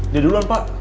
jadi duluan pak